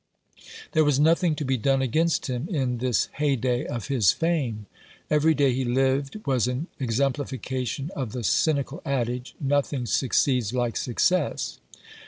There was nothing to be done against him in this hey day of his fame. Every day he lived was an exemplification of the cynical adage — "Nothing succeeds like success."